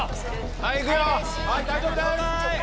はいいくよ！